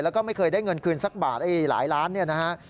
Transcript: แล้วก็ไม่เคยได้เงินคืนสักบาทหลายล้านเนี่ยนะฮะ